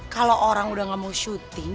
kalau orang udah gak mau syuting